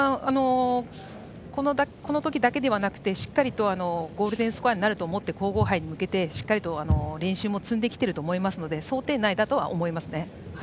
このときだけではなくてゴールデンスコアになると思って皇后杯に向けてしっかり練習も積んできていると思いますので想定内だとは思いますね。